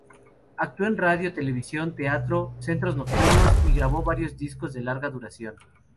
Actuó en radio, televisión, teatro, centros nocturnos y grabó varios discos de larga duración.